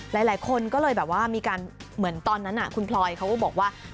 หลายคนก็เลยแบบว่ามีการเหมือนตอนนั้นคุณพลอยเขาก็บอกว่า